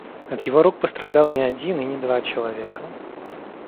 От его рук пострадал не один и не два человека.